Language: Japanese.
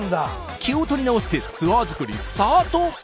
気を取り直してツアー作りスタート！